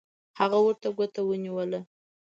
هغه ورته ګوته ونیوله